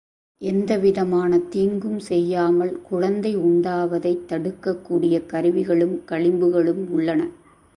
எந்தவிதமான தீங்கும் செய்யாமல் குழந்தை உண்டாவதைத் தடுக்கக் கூடிய கருவிகளும் களிம்புகளும் உள்ளன.